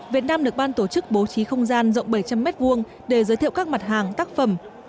việt nam được ban tổ chức bố trí không gian rộng bảy trăm linh m hai để giới thiệu các mặt hàng tác phẩm